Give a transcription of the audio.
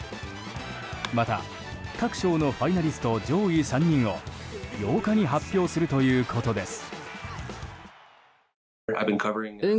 また、各賞のファイナリスト上位３人を８日に発表するということです。